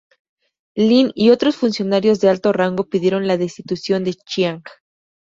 Lin y otros funcionarios de alto rango pidieron la destitución de Chiang.